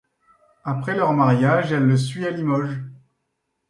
Après leur mariage, elle le suit à Limoges.